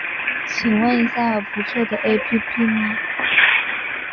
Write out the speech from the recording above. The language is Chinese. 请问一下有不错的 ㄟＰＰ 吗